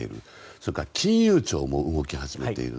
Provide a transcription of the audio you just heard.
それから金融庁も動き始めている。